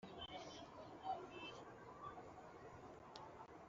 witwaga Biluha ngo ajye amukorera